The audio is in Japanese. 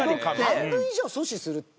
半分以上阻止するって。